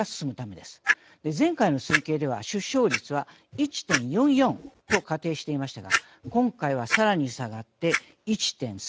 前回の推計では出生率は１．４４と仮定していましたが今回はさらに下がって１．３６。